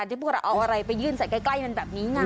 ไม่ต้องให้ปุ่มพวกเราเอาอะไรไปยื่นใส้ใกล้แบบนี้ไง